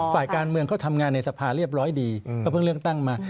ฝ่ายการเมืองเขาทำงานในสภาเรียบร้อยดีก็เพิ่งเลือกตั้งมา